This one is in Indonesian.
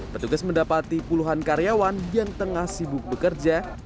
petugas mendapati puluhan karyawan yang tengah sibuk bekerja